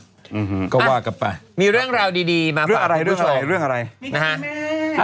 อืมหืมก็ว่ากลับไปมีเรื่องราวดีดีมาฝากคุณผู้ชมเรื่องอะไรเรื่องอะไรเรื่องอะไร